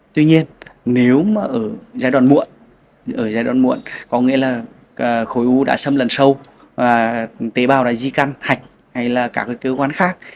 tuy nhiên nếu mà ở giai đoạn muộn có nghĩa là khối u đã sâm lần sâu tế bào đã di căn hạch hay là các cơ quan khác